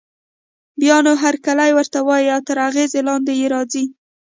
بيا نو هرکلی ورته وايي او تر اغېز لاندې يې راځي.